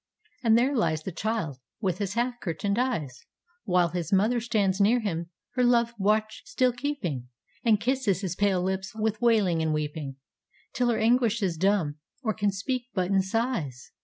And there lies the child, with his half curtained eyes, While his mother stands near him, her love watch still keeping, And kisses his pale lips with wailing and weeping, Till her anguish is dumb, or can speak but in sighs.